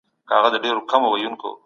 موږ په خپلو بسترونو کي بېدېدلو.